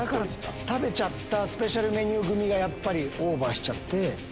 食べちゃったスペシャルメニュー組がやっぱりオーバーしちゃって。